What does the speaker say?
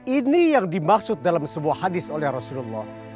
ini yang dimaksud dalam sebuah hadis oleh rasulullah